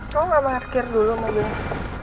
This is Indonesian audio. kamu gak nge markir dulu mobilnya